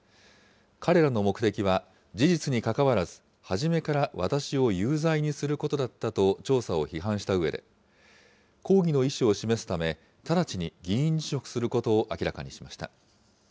彼らの目的は事実にかかわらず、初めから私を有罪にすることだったと調査を批判したうえで、抗議の意思を示すため、直ちに議員辞職することを明らかにしました。